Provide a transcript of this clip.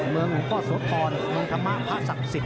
เมืองของพ่อสวทธรมงธรรมภาษศักดิ์สิทธิ์